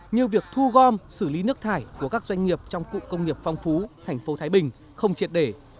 như việc thu gom xử lý nước thải của các doanh nghiệp trong cụ công nghiệp phong phú thành phố thái bình không triệt để